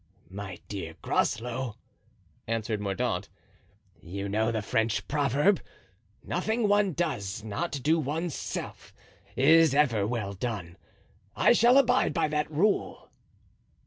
"My dear Groslow," answered Mordaunt, "you know the French proverb, 'Nothing one does not do one's self is ever well done.' I shall abide by that rule."